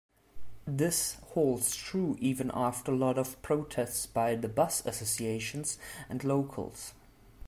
This holds true even after lot of protests by the bus associations and locals.